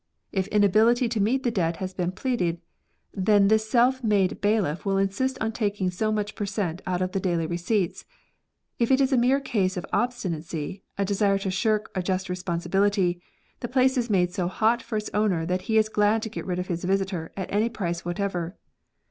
If inability to meet the debt has been pleaded, then this self made bailiff will insist on taking so much per cent, out of the daily receipts ; if it is a mere case of obstinacy, a desire to shirk a just responsibility, the place is made so hot for its owner that he is glad to get rid of his visitor at any price whatever.